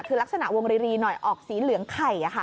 คือลักษณะวงรีหน่อยออกสีเหลืองไข่